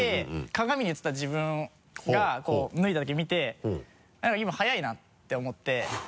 鏡に映った自分が脱いだとき見て何か今早いなって思って。